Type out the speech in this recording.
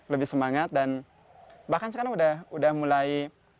lebih semangat dan bahkan sekarang udah mulai